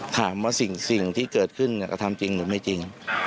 ถามว่าสิ่งที่เกิดขึ้นกระทำจริงหรือไม่จริง